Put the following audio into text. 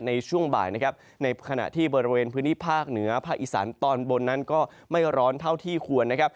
ในช่วงบ่ายนะครับในขณะที่บริเวณพื้นที่ภาคเหนือภาคอีสานตอนบนนั้นก็ไม่ร้อนเท่าที่ควรนะครับ